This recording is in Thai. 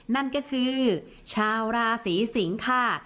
นั่นก็คือชาวราศีสิงค่ะ